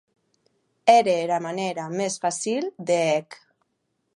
Ère era manèra mès facil de hè'c.